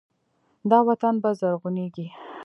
دا وطن به زرغونیږي.